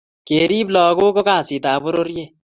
kerip lakook ko kasit ab pororiet